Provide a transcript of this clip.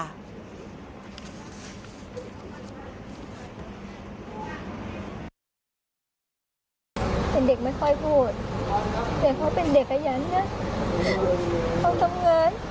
เช้าไปทำงานเย็นกลับถึงบ้าน